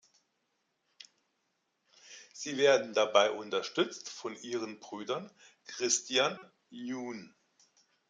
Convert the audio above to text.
Sie werden dabei unterstützt von ihren Brüdern Christian jun.